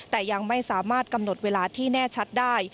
แต่ยังไม่สามารถกำหนดเวลาที่แน่ชัดได้